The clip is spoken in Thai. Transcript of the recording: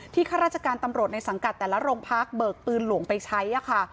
ข้าราชการตำรวจในสังกัดแต่ละโรงพักเบิกปืนหลวงไปใช้ค่ะ